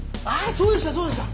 そうでしたそうでした！